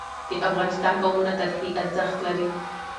د افغانستان قومونه تاریخي ارزښت لري.